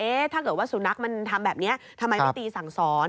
ถ้าเกิดว่าสุนัขมันทำแบบนี้ทำไมไม่ตีสั่งสอน